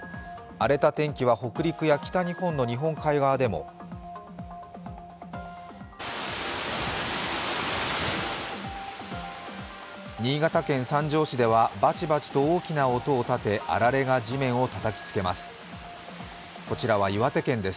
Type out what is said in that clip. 荒れた天気は北陸や北日本の日本海側でも新潟県三条市ではバチバチと大きな音を立てあられが地面をたたきつけます。